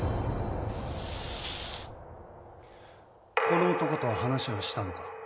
この男とは話はしたのか？